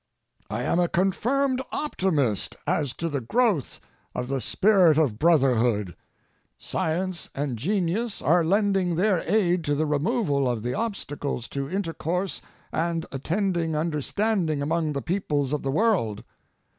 I am a confirmed optimist as to the growth of the spirit of brotherhood. Science and genius are lending their aid to the removal of the obstacles to intercourse and attending understanding among the peoples of the world.